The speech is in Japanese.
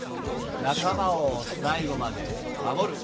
仲間を最後まで守る。